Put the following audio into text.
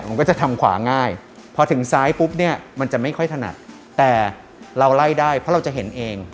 มันก็จะทำขวาง่ายพอถึงซ้ายปุ๊บเนี่ยมันจะไม่ค่อยถนัดแต่เราไล่ได้เพราะเราจะเห็นเอง